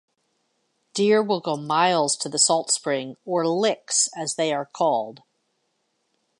Deer will go miles to the salt spring, or licks as they are called.